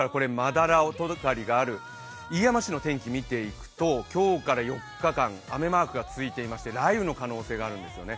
斑尾がある飯山市の天気を見ると今日から４日間、雨マークがついていまして雷雨の可能性があるんですよね。